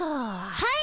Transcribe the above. はい！